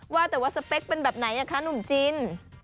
ว่าแต่ว่าสเปคเป็นแบบไหนคะหนุ่มจิน